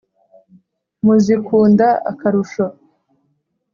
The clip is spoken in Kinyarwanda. muzikunda akarusho.